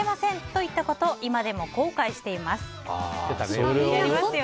と言ったこと今でも後悔しています。